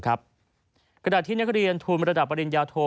กระดาษที่นักเรียนทุนบรรดับปริญญาโท